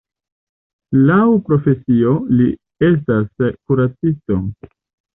Laŭ profesio li estas kuracisto.